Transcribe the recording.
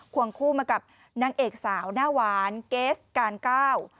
วงคู่มากับนางเอกสาวหน้าหวานเกสการเก้า